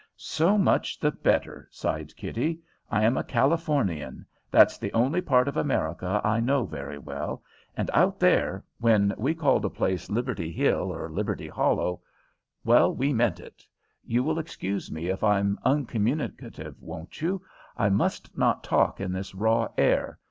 "So much the better," sighed Kitty. "I am a Californian; that's the only part of America I know very well, and out there, when we called a place Liberty Hill or Liberty Hollow well, we meant it. You will excuse me if I'm uncommunicative, won't you? I must not talk in this raw air.